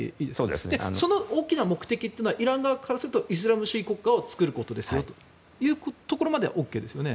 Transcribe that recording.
そしてその大きな目的というのはイラン側からするとイスラム主義国家を作ることだというのはＯＫですよね。